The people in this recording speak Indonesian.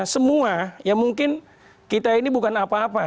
semua ya mungkin kita ini bukan apa apa